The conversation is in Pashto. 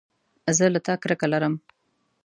زه له تا کرکه لرم